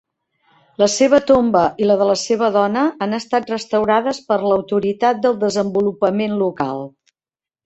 La seva tomba, i la de la seva dona, han estat restaurades per l"Autoritat del desenvolupament local.